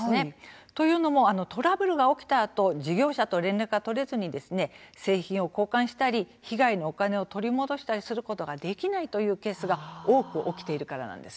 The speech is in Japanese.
というのもトラブルが起きたあと事業者と連絡が取れずに製品を交換したり被害のお金を取り戻したりすることができないというケースが多く起きているからなんですね。